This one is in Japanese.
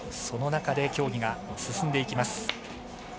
その中で競技が進んでいきます。